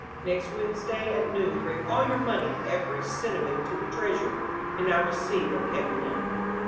Next Wednesday at noon bring all your money, every cent of it, to the Treasury, and I will see what can be done."